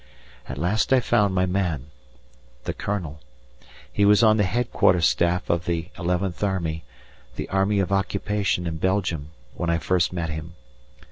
At last I found my man the Colonel. He was on the Headquarters staff of the XIth Army, the army of occupation in Belgium, when I first met him.